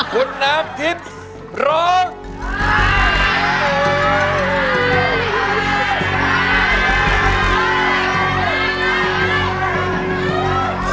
คุณน้ำทิพย์ร้อง